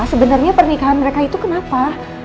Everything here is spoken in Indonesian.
sebenarnya pernikahan mereka itu kenapa